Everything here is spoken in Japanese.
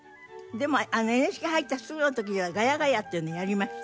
でもＮＨＫ入ってすぐの時には「ガヤガヤ」っていうのやりました。